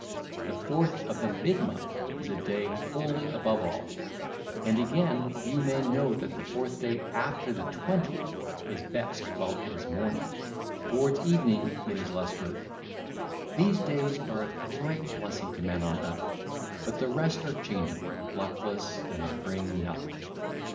The fourth of the mid month is a day holy above all. And again, few men know that the fourth day after the twentieth is best while it is morning: towards evening it is less good. (ll. 822 828) These days are a great blessing to men on earth; but the rest are changeable, luckless, and bring nothing.